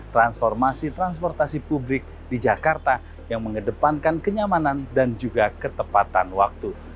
transformasi transportasi publik di jakarta yang mengedepankan kenyamanan dan juga ketepatan waktu